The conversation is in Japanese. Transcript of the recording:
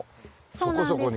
そこそこにね。